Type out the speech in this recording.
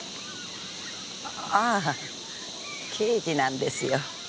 ああ刑事なんですよ。